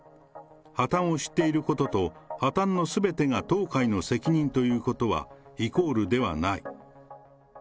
破綻を知っていることと、破綻のすべてが当会の責任ということはイコールではない。